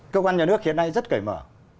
cơ quan nhà nước hiện nay rất cởi mở